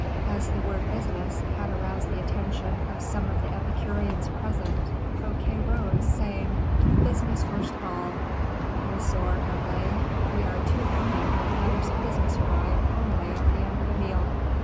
As the word "business" had aroused the attention of some of the epicureans present, Fouquet rose, saying: "Business first of all, Monsieur d'Herblay; we are too happy when matters of business arrive only at the end of a meal."